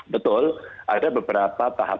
betul ada beberapa tahap